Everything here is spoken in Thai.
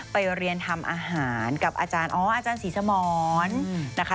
ไปเรียนทำอาหารกับอาจารย์อ๋ออาจารย์ศรีสมรนะคะ